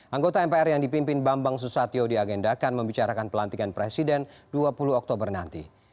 anggota mpr yang dipimpin bambang susatyo diagendakan membicarakan pelantikan presiden dua puluh oktober nanti